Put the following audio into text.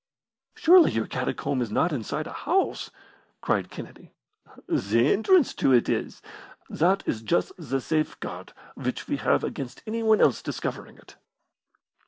"Surely your catacomb is not inside a house!" cried Kennedy. "The entrance to it is. That is just the safeguard which we have against anyone else discovering it."